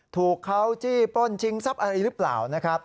ถูกเขาจี้ป้นชิงซับอะไรรึเปล่า